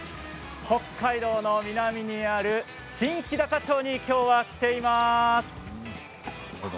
北海道の南にある新ひだか町にきょうは来ています。